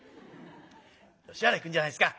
吉原行くんじゃないですか」。